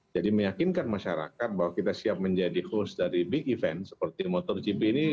jadi meyakinkan masyarakat bahwa kita siap menjadi host dari big event seperti motogp ini